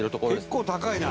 「結構高いな」